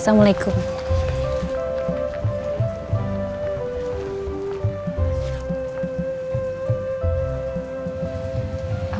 apa yang mau jalan jalan sama ustadz jena